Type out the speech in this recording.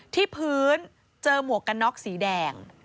ที่พื้นเจอหมวกกันน็อกสีแดง